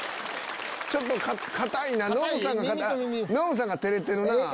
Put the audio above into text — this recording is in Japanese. ちょっと硬いなノブさんがノブさんが照れてるなぁ。